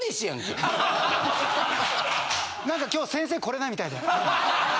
・何か今日先生来れないみたいで。